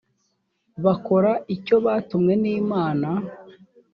bakora icyo batumwe n’imana